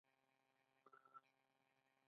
د سیاسي اړیکو نشتون سوداګري وژني.